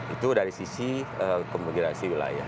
itu dari sisi komodidasi wilayah